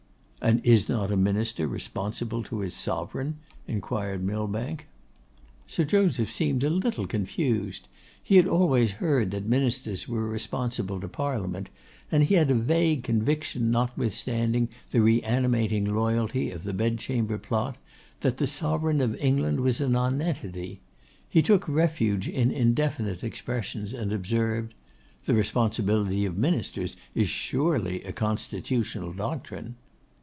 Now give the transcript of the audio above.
'And is not a Minister responsible to his Sovereign?' inquired Millbank. Sir Joseph seemed a little confused. He had always heard that Ministers were responsible to Parliament; and he had a vague conviction, notwithstanding the reanimating loyalty of the Bed Chamber Plot, that the Sovereign of England was a nonentity. He took refuge in indefinite expressions, and observed, 'The Responsibility of Ministers is surely a constitutional doctrine.